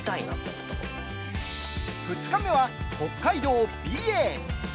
２日目は、北海道・美瑛。